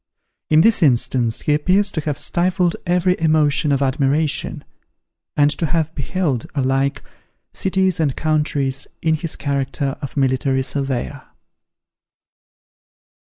In this instance, he appears to have stifled every emotion of admiration, and to have beheld, alike, cities and countries in his character of military surveyor.